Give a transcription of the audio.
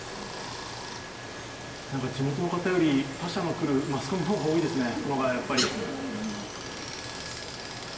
地元の方より他社のマスコミの方が多いですね、熊谷はやっぱり。